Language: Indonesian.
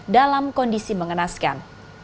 dalam kondisi mengenaskan